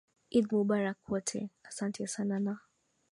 idd mubarak wote asante sana na